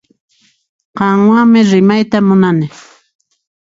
Qanwanmi rimayta munani